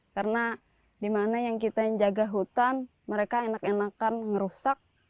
karena di mana yang kita jaga hutan mereka enak enakan merusak